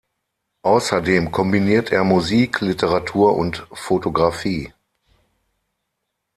Außerdem kombiniert er Musik, Literatur und Fotografie.